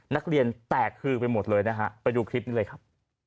นักเรียนแตกคือไปหมดเลยนะฮะไปดูคลิปนี้เลยครับ